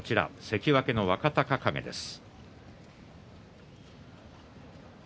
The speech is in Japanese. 関脇の若隆景です。